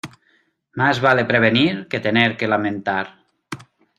Más vale prevenir que tener que lamentar.